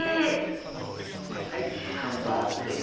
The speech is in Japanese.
はいハンバーグです。